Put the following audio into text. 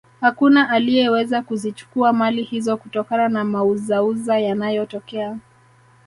hakuna aliyeweza kuzichukua mali hizo kutokana na mauzauza yanayotokea